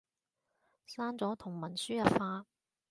刪咗同文輸入法